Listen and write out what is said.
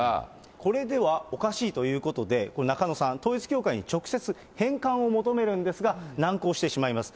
これではおかしいということで、中野さん、統一教会に直接、返還を求めるんですが、難航してしまいます。